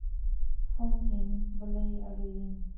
Fung in vawlei a rin.